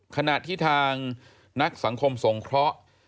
ขณะที่ทางนักสังคมสงเคราะห์